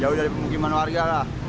jauh dari pemukiman warga lah